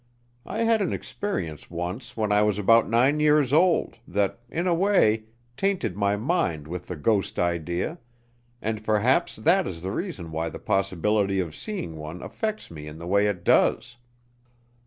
I had an experience once when I was about nine years old, that, in a way, tainted my mind with the ghost idea, and perhaps that is the reason why the possibility of seeing one affects me in the way it does.